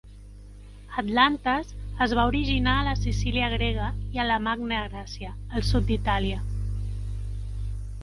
Atlantes es va originar a la Sicília grega i a la Magna Gràcia, al sud d'Itàlia.